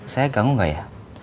saya ganggu gak ya